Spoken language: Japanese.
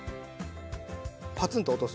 パツンと落とす。